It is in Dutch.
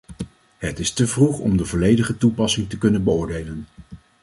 Het is te vroeg om de volledige toepassing te kunnen beoordelen.